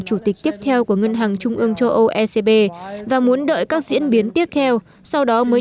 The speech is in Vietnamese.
chủ tịch tiếp theo của ngân hàng trung ương châu âu ecb và muốn đợi các diễn biến tiếp theo sau đó mới